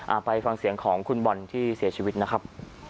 ไปฟังเสียงของคุณบอลที่เสียชีวิตนะครับ